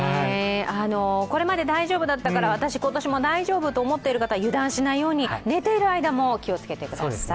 これまで大丈夫だったから、私、今年も大丈夫と思っている方、油断しないように、寝ている間も気をつけてください。